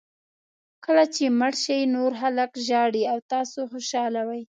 کله چې مړ شئ نور خلک ژاړي او تاسو خوشاله وئ.